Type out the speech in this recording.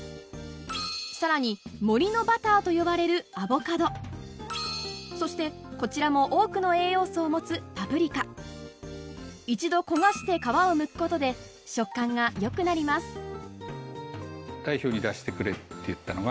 さらに「森のバター」と呼ばれるアボカドそしてこちらも多くの栄養素を持つパプリカ一度焦がして皮をむくことで食感が良くなりますお！